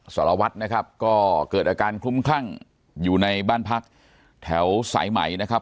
สารวัตรนะครับก็เกิดอาการคลุ้มคลั่งอยู่ในบ้านพักแถวสายใหม่นะครับ